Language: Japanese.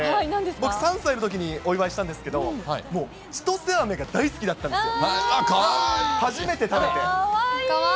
僕３歳のときにお祝いしたんですけど、もう、ちとせあめが大好きだったんですよ。